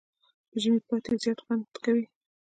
په ژمي پاتی زیات خوند کوي.